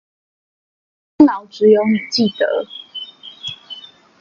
功勞只有你記得